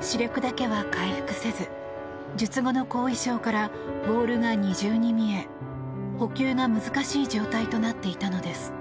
視力だけは回復せず術後の後遺症からボールが二重に見え捕球が難しい状態となっていたのです。